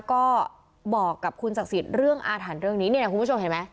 ก็บอกกับคุณศักดิ์สิทธิ์เรื่องอาถรรพ์เรื่องนี้เนี่ยคุณผู้ชมเห็นไหม